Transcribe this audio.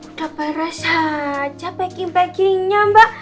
udah parah saja packing packingnya mbak